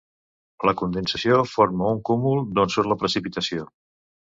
La condensació forma un cúmul d’on surt la precipitació.